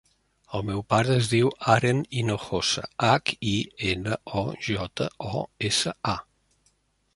El meu pare es diu Aren Hinojosa: hac, i, ena, o, jota, o, essa, a.